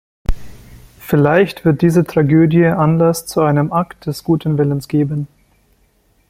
Vielleicht wird diese Tragödie Anlass zu einem Akt des guten Willens geben.